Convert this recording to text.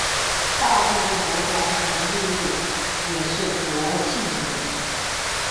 大部分国家的独立日也是国庆日。